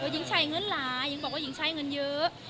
ผ่ายก็ใช้เงินหลายผ่ายก็ใช้เงินเยอะ